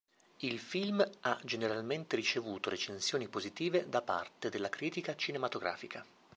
Il film ha generalmente ricevuto recensioni positive da parte della critica cinematografica.